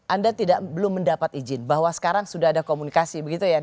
anda belum mendapat izin bahwa sekarang sudah ada komunikasi begitu ya